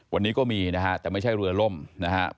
วันนี้ก็มีนะฮะแต่ไม่ใช่เรือล่มนะครับ